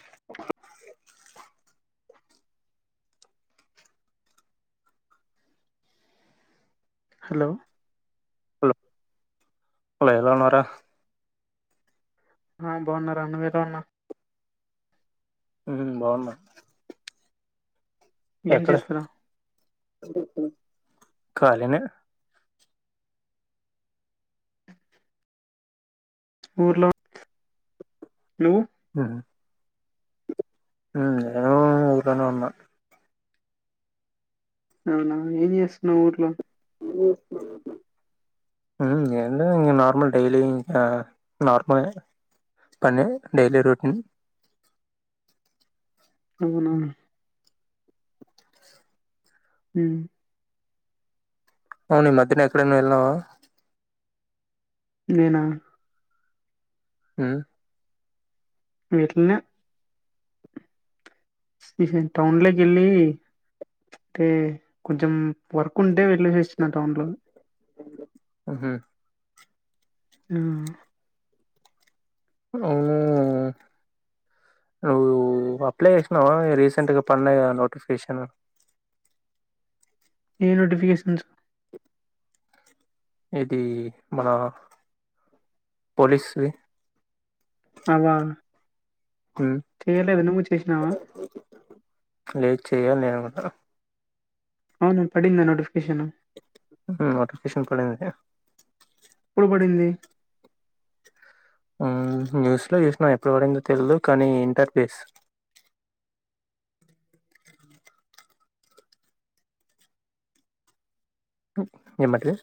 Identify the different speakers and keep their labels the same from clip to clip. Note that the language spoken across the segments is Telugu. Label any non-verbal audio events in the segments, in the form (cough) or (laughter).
Speaker 1: అ (inaudible) హలో
Speaker 2: ఎలావున్నావ్ రా
Speaker 1: ఆ బాగున్న రా నువలా ఉన్నావు
Speaker 2: ఉమ్ బాగున్నా
Speaker 1: ఏం
Speaker 2: ఎక్కడ
Speaker 1: చేస్తున్నావ్
Speaker 2: ఖాళినే
Speaker 1: ఊర్లో నువ్వు
Speaker 2: నేను ఊర్లోనే ఉన్న
Speaker 1: అవునా ఏం చేస్తున్నావ్ ఊర్లో
Speaker 2: (unintelligible) హ్మ్ నార్మల్ డైలీ ఇకా నార్మల్ పన్న డెలీ రూటీన్
Speaker 1: అవునా హ్మ్
Speaker 2: అవు ఈ మధ్యన ఎక్కడైనా వెళవా
Speaker 1: నేనా
Speaker 2: హ్మ్
Speaker 1: ఏళ్ళిన టౌన్లేకెల్లి అంటే కొంచెం వర్క్ ఉంటే వెళ్ళేది చ టౌన్ లో
Speaker 2: హూహు
Speaker 1: ఆ
Speaker 2: అవును అ అప్లై చేసినావ రీసెంట్ గా పడినా నోటిఫికేషన్
Speaker 1: ఏ నోటిఫికేషన్స్
Speaker 2: ఇది మన పోలీస్ వి
Speaker 1: అవా చెయలేదు నువ్వు చేసినావా
Speaker 2: కొద్ది గా చెయాలి నేను కూడా,
Speaker 1: అవును ఎప్పుడు ఉంది నోటిఫికేషన్,
Speaker 2: ఇంకో నోటిఫికేషన్ పడలేదా,
Speaker 1: ఏపప్పుడు పడింది,
Speaker 2: హూ న్యూస్లో చూసినాం ఎప్పుడు పడిందో తెలీదు కానీ ఇంటర్ఫేస్, వినపడట్లే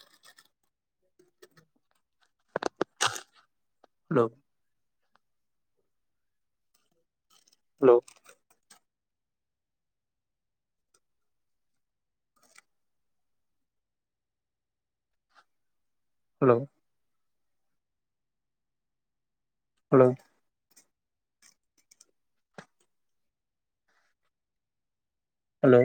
Speaker 2: హలో లో హలో హలో హలో